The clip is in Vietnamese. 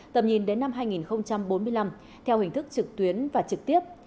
tầm nhìn đến năm hai nghìn bốn mươi năm theo hình thức trực tuyến và trực tiếp